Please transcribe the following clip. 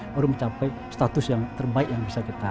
baru mencapai status yang terbaik yang bisa kita